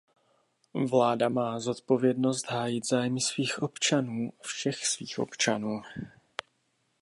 Vláda má zodpovědnost hájit zájmy svých občanů, všech svých občanů.